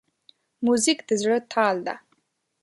موزیک د زړه تال ده.